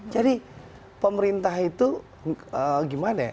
jadi pemerintah itu gimana